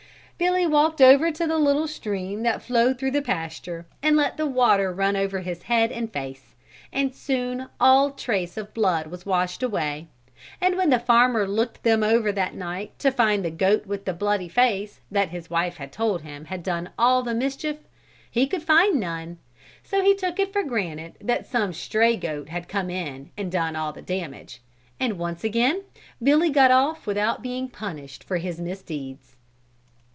Billy walked over to the little stream that flowed through the pasture and let the water run over his head and face and soon all trace of blood was washed away, and when the farmer looked them over that night to find the goat with the bloody face, that his wife had told him had done all the mischief, he could find none, so he took it for granted that some stray goat had come in and done all the damage, and once again Billy got off without being punished for his misdeeds.